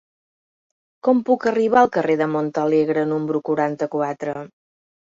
Com puc arribar al carrer de Montalegre número quaranta-quatre?